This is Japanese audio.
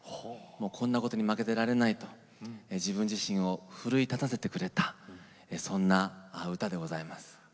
こんなことに負けていられないと自分自身を奮い立たせてくれたそんな歌でございます。